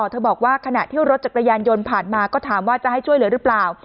เธอบอกว่าขณะที่รถจักรยานยนต์ผ่านมาก็ถามว่าจะให้ช่วยเหลือหรือเปล่า